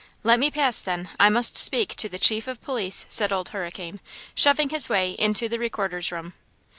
"Let me pass, then; I must speak to the chief of police," said Old Hurricane, shoving his way into the Recorder's room.